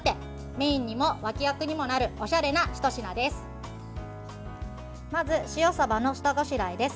メインにも脇役にもなるおしゃれなひと品です。